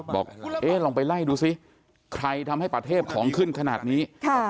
บอกเอ๊ะลองไปไล่ดูซิใครทำให้ประเทศของขึ้นขนาดนี้